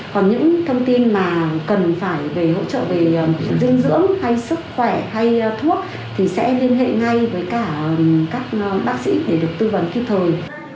còn những thông tin mà cần phải về hỗ trợ về dinh dưỡng hay sức khỏe hay thuốc thì sẽ liên hệ ngay với cả các bác sĩ để được tư vấn kịp thời